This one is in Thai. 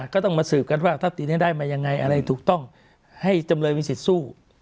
ก็ต้องมาสืบกันว่าถ้าตีนี้ได้มายังไงอะไรถูกต้องให้จำเลยมีสิทธิ์สู้